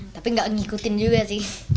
tapi gak ngikutin juga sih